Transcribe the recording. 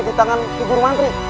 di tangan gubernur mantri